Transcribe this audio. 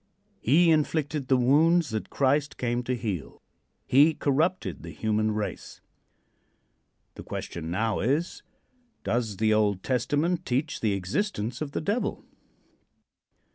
He inflicted the wounds that Christ came to heal. He corrupted the human race. The question now is: Does the Old Testament teach the existence of the Devil?